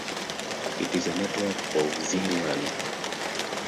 It is a network of Zee learn.